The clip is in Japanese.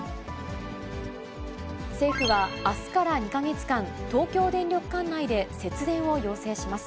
政府は、あすから２か月間、東京電力管内で節電を要請します。